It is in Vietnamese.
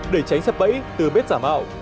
để tránh sập bẫy từ bếp giả mạo